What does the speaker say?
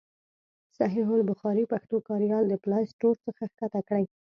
صحیح البخاري پښتو کاریال د پلای سټور څخه کښته کړئ.